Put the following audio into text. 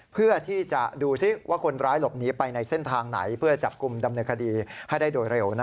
เพื่อที่จะดูซิว่าคนร้ายหลบหนีไปในเส้นทางไหนเพื่อจับกลุ่มดำเนินคดีให้ได้โดยเร็ว